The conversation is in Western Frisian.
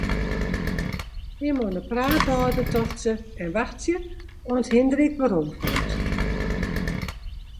Him oan 'e praat hâlde, tocht se, en wachtsje oant Hindrik weromkomt.